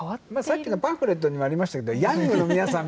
さっきのパンフレットにもありましたけどヤングの皆さんみたいな。